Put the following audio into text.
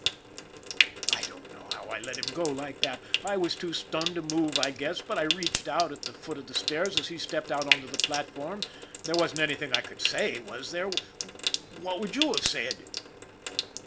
I don't know how I let him go like that. I was too stunned to move I guess, but I reached him at the foot of the stairs as he stepped out onto the platform. There wasn't anything I could say, was there ? What would you have said?